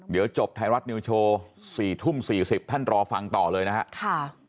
เดี๋ยวจบไทยรัฐนิวโชว์๔ทุ่ม๔๐ท่านรอฟังต่อเลยนะครับ